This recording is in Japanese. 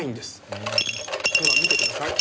ほら見てください。